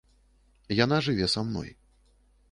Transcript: Яна жыве са мной.